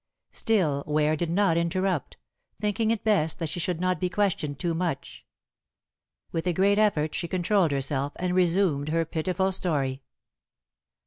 Still, Ware did not interrupt, thinking it best that she should not be questioned too much. With a great effort she controlled herself, and resumed her pitiful story.